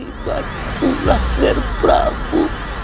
kibat pula ger prabu